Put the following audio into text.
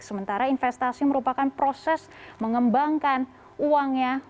sementara investasi merupakan proses mengembangkan uangnya